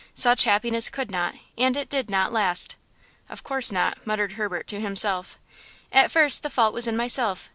Such happiness could not and it did not last!" "Of course not!" muttered Herbert to himself. "At first the fault was in myself.